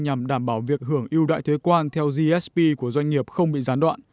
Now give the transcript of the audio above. nhằm đảm bảo việc hưởng ưu đãi thuế quan theo gfp của doanh nghiệp không bị gián đoạn